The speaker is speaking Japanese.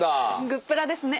「＃グップラ」ですね。